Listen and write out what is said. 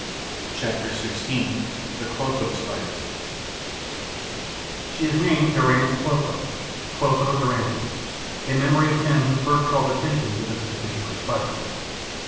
CHAPTER XVI: THE CLOTHO SPIDER She is named Durand's Clotho (Clotho Durandi, LATR.), in memory of him who first called attention to this particular Spider.